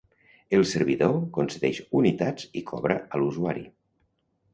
El servidor concedeix unitats i cobra a l'usuari.